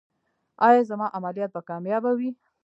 ایا زما عملیات به کامیابه وي؟